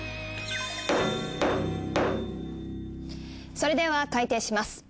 それでは開廷します。